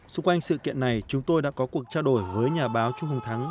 xung quanh sự kiện này chúng tôi đã có cuộc trao đổi với nhà báo trung hùng thắng